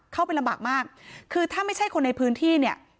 เข้าไปลำบากมากคือถ้าไม่ใช่คนในพื้นที่เนี่ย